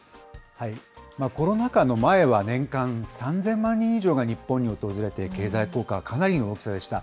コロナ禍の前は、年間３０００万人以上が日本に訪れて、経済効果はかなりの大きさでした。